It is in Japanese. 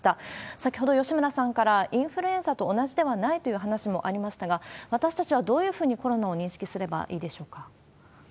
先ほど吉村さんから、インフルエンザと同じではないという話もありましたが、私たちはどういうふうにコロナを認識すればいいでしょうか？